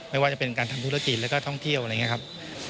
ไม่ว่าจะเป็นการทำธุรกิจแล้วก็ท่องเที่ยวอะไรอย่างนี้ครับ